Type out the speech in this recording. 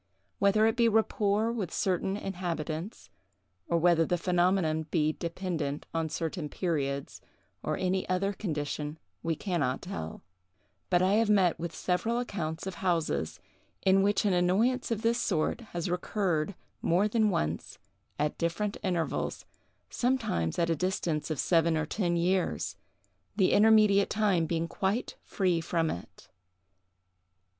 Whether it be rapport with certain inhabitants, or whether the phenomenon be dependent on certain periods, or any other condition, we can not tell; but I have met with several accounts of houses in which an annoyance of this sort has recurred more than once, at different intervals, sometimes at a distance of seven or ten years, the intermediate time being quite free from it.